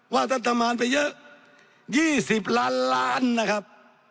ว่าท่านทำงานไปเยอะ๒๐ล้านล้านนะครับ